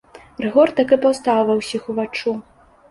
Рыгор так і паўстаў ва ўсіх уваччу.